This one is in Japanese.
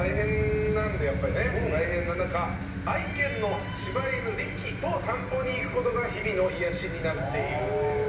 大変な中愛犬の柴犬リキと散歩に行く事が日々の癒やしになっているという。